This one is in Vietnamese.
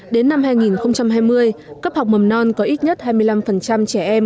đến năm hai nghìn hai mươi cấp học mầm non có ít nhất hai mươi năm trẻ em